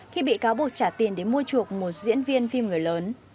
khi bị cáo buộc trả tiền để mua chuộc một diễn viên phim người lớn